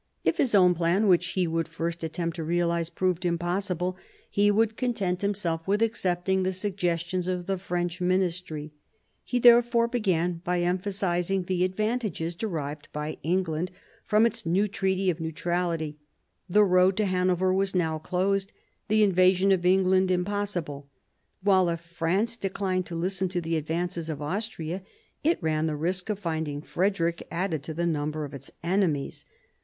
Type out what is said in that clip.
If his own plan, which he would first attempt to realise, proved impossible, he would content himself with accept ing the suggestions of the French ministry. He there fore began by emphasising the advantages derived by England from its new treaty of neutrality — the road to Hanover was now closed, the invasion of England impossible. While, if France declined to listen to the advances of Austria, it ran the risk of finding Frederick added to the number of its enemies.